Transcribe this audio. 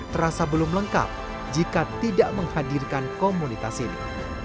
terasa belum lengkap jika tidak menghadirkan komunitas ini